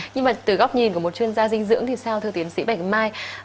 nhưng mà từ góc nhìn của một chuyên gia dinh dưỡng thì sao thưa tiến sĩ bạch mai